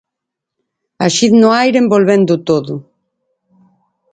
A xiz no aire envolvéndoo todo.